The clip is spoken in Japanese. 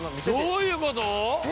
どういうこと？